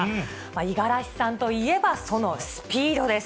五十嵐さんといえば、そのスピードです。